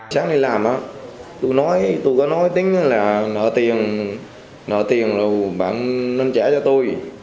sáng nay làm á tôi có nói tính là nợ tiền nợ tiền là bạn nên trả cho tôi